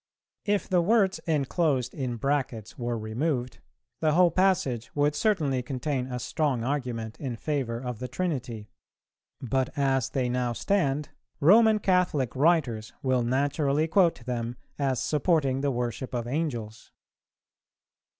If the words enclosed in brackets were removed, the whole passage would certainly contain a strong argument in favour of the Trinity; but as they now stand, Roman Catholic writers will naturally quote them as supporting the worship of Angels.